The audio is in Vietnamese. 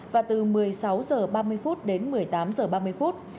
và từ một mươi sáu h ba mươi phút đến một mươi tám h ba mươi phút